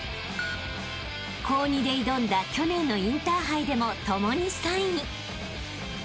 ［高２で挑んだ去年のインターハイでもともに３位］